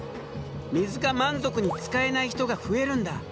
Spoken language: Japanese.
水が満足に使えない人が増えるんだ。